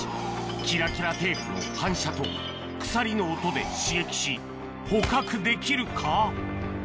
キラキラテープの反射と鎖の音で刺激し捕獲できるか？